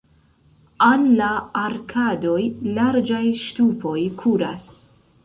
Al la arkadoj larĝaj ŝtupoj kuras.